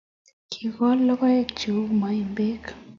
Kikol lokoek che u maembek